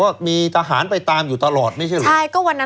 ว่ามีทหารไปตามอยู่ตลอดไม่ใช่เหรอใช่ก็วันนั้น